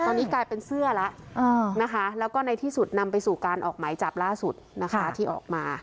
ตอนนี้กลายเป็นเสื้อแล้วนะคะแล้วก็ในที่สุดนำไปสู่การออกหมายจับล่าสุดนะคะที่ออกมา